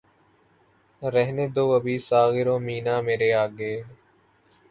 رہنے دو ابھی ساغر و مینا مرے آگے